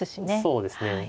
そうですね。